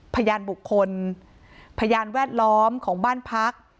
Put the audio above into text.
พยานบุคคลพยานแวดล้อมของบ้านพัก